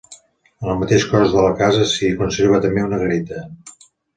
En el mateix cos de la casa s'hi conserva també una garita.